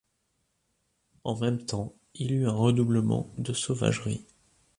En même temps il eut un redoublement de sauvagerie.